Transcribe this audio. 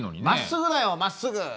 「まっすぐだよまっすぐ」。